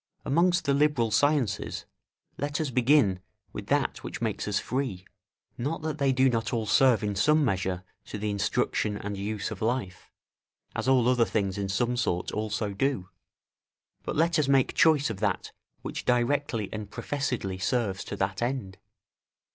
Amongst the liberal sciences, let us begin with that which makes us free; not that they do not all serve in some measure to the instruction and use of life, as all other things in some sort also do; but let us make choice of that which directly and professedly serves to that end.